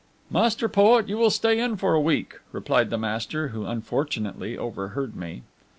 "Master Poet, you will stay in for a week," replied the master, who unfortunately overheard me.